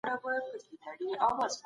پخوانۍ پېښې لوستل او بيا څېړل غواړي.